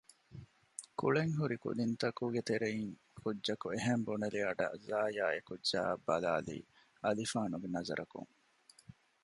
ކުޅެން ހުރި ކުދިންތަކުގެ ތެރެއިން ކުއްޖަކު އެހެން ބުނެލި އަޑަށް ޒާޔާ އެކުއްޖާއަށް ބަލާލީ އަލިފާނުގެ ނަޒަރަކުން